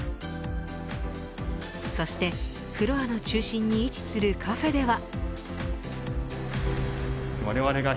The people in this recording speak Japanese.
そしてフロアの中心に位置するカフェでは。